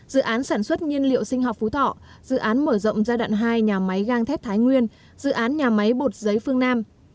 dự án sản xuất nhiên liệu sinh học phú thọ dự án mở rộng giai đoạn hai nhà máy gang thép thái nguyên dự án nhà máy bột giấy phương nam